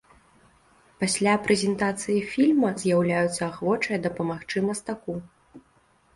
Пасля прэзентацыі фільма з'яўляюцца ахвочыя дапамагчы мастаку.